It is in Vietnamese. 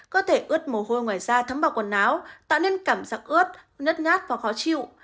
cơ thể ướt mồ hôi ngoài da thấm vào quần áo tạo nên cảm giác ướt nứt nhát và khó chịu